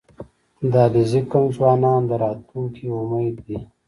• د علیزي قوم ځوانان د راتلونکي امید دي.